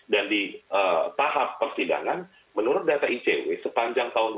dan di tahap persidangan menurut data icw sepanjang tahun dua ribu sembilan belas